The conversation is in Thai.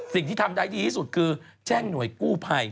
สิ่งที่ทำได้ดีที่สุดคือแจ้งหน่วยกู้ภัย